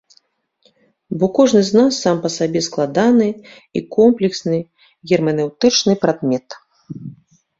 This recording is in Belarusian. Бо кожны з нас сам па сабе складаны і комплексны герменэўтычны прадмет.